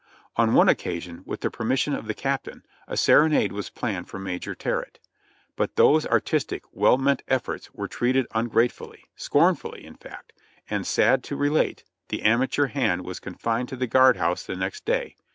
On one occasion, with the permission of the captain, a serenade was planned for Major Terrett ; but those artistic, well meant ef forts were treated ungratefully — scornfully, in fact, and sad to relate, the amateur band was confined to the guard house the next day.